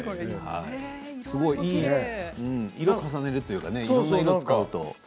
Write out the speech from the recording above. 色を重ねるというかいろんな色を使うとね。